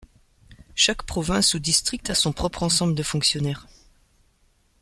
Chaque province ou district a son propre ensemble de fonctionnaires.